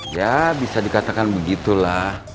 ya bisa dikatakan begitulah